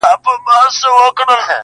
دا هوښیار چي دی له نورو حیوانانو,